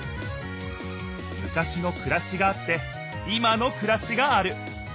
昔のくらしがあって今のくらしがある。